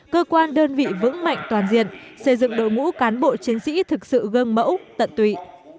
cơ quan đơn vị vững mạnh toàn diện xây dựng đội ngũ cán bộ chiến sĩ thực sự gương mẫu tận tụy